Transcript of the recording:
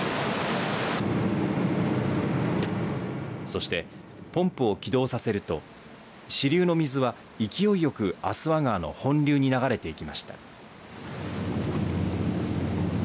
そして、ポンプを起動させると支流の水は勢いよく足羽川の本流に流れていきました。